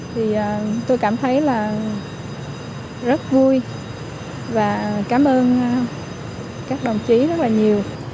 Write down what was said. thì tôi cảm thấy là rất vui và cảm ơn các đồng chí rất là nhiều